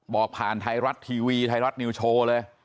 บอกผ่านไทยรัฐทีวีไทยรัฐนิวโชว์เลย